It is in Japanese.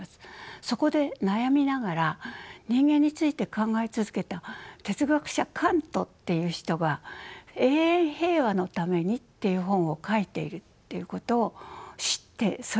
そこで悩みながら人間について考え続けた哲学者カントっていう人が「永遠平和のために」っていう本を書いているっていうことを知ってそれを読みました。